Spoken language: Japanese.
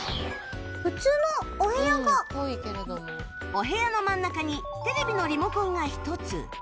お部屋の真ん中にテレビのリモコンが１つ